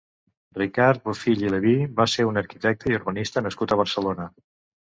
Ricard Bofill i Leví va ser un arquitecte i urbanista nascut a Barcelona.